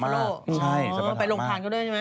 ไปลงทางก็ได้ใช่ไหม